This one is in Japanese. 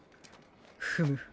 フム。